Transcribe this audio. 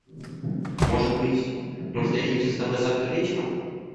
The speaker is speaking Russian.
Может быть, мы встретимся с тобой завтра вечером?